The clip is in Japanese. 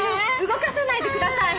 動かさないでください。